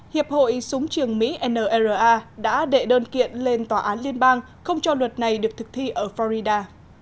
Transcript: hiệp hội súng trường mỹ nra đã đệ đơn kiện lên tòa án liên bang không cho luật này được thực thi ở florida